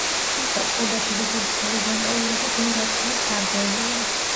თუმცა, წყობაში რიგების ჰორიზონტალურობა ბევრ ადგილას დარღვეულია.